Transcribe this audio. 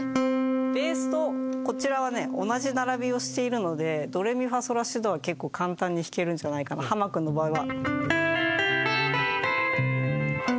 ベースとこちらはね同じ並びをしているのでドレミファソラシドは結構簡単に弾けるんじゃないかなハマ君の場合は。